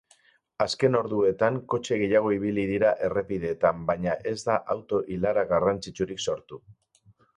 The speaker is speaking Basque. Azken orduetan kotxe gehiago ibili dira errepideetan baina ez da auto-ilara garrantzitsurik sortu.